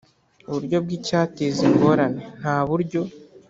Uburyo bw icyateza ingorane nta buryo